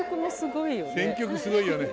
選曲もすごいよね。